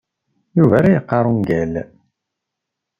Yuba la yeqqar ungal.